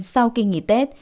sau khi nghỉ tết